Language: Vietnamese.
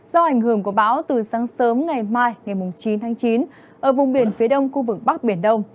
do ảnh hưởng của bão từ sáng sớm ngày mai ngày chín tháng chín ở vùng biển phía đông khu vực bắc biển đông